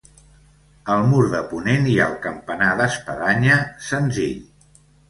Al mur de ponent hi ha el campanar d'espadanya, senzill.